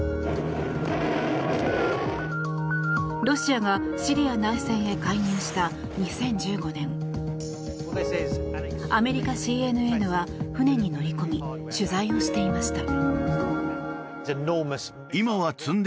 ロシアがシリア内戦へ介入した２０１５年アメリカＣＮＮは船に乗り込み取材をしていました。